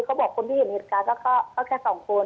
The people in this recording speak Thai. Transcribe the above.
เขาบอกคนที่เห็นเหตุการณ์ก็แค่สองคน